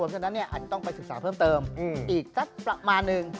ฉะนั้นอาจจะต้องไปศึกษาเพิ่มเติมอีกสักประมาณนึง